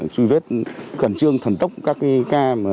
truy vết khẩn trương thần tốc các ca